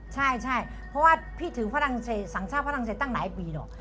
ใช่เพราะว่าพี่ถือสังสร้างฝรั่งเศสตั้งหลายปีหรอก